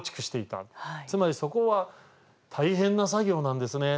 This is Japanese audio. つまりそこは大変な作業なんですね。